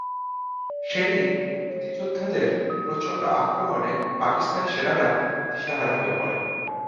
সেদিন মুক্তিযোদ্ধাদের প্রচণ্ড আক্রমণে পাকিস্তানি সেনারা দিশেহারা হয়ে পড়ে।